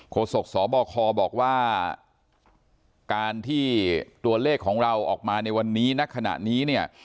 โศกสบคบอกว่าการที่ตัวเลขของเราออกมาในวันนี้ณขณะนี้เนี่ย